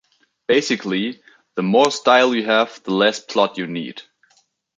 Basically, the more style you have, the less plot you need.